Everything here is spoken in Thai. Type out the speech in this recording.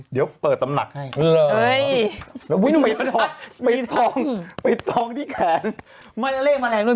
เดี๋ยวเปิดตำหนักให้เฮ้ยไม่ท้องไม่ท้องที่แขนไม่เลขมันอะไรด้วย